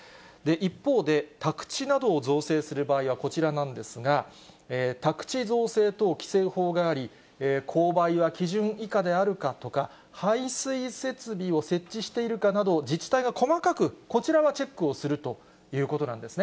一方で、宅地などを造成する場合はこちらなんですが、宅地造成等規制法があり、勾配は基準以下であるかとか、排水設備を設置しているかなどを、自治体が細かく、こちらはチェックをするということなんですね。